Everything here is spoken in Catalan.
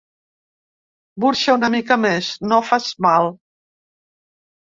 Burxa una mica més, no fas mal.